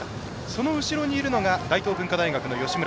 その後ろにいるのが大東文化大学の吉村。